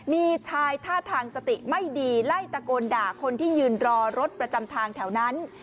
มีชายท่าทางสติไม่ดีไล่ตะโกนด่าคนที่ยืนรอรถประจำทางแถวนั้น